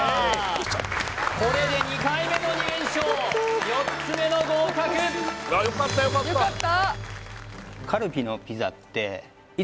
これで２回目の２連勝４つ目の合格かなと思いました